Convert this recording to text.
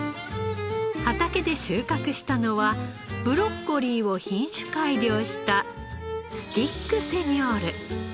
畑で収穫したのはブロッコリーを品種改良したスティックセニョール。